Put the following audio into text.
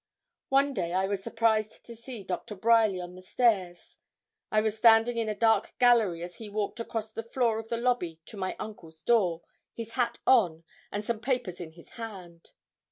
One day I was surprised to see Doctor Bryerly on the stairs. I was standing in a dark gallery as he walked across the floor of the lobby to my uncle's door, his hat on, and some papers in his hand.